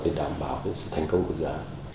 để đảm bảo sự thành công của dự án